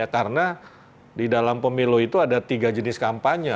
karena di dalam pemilu itu ada tiga jenis kampanye